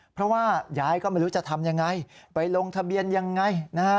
เพราะว่ายายก็ไม่รู้จะทำยังไงไปลงทะเบียนยังไงนะฮะ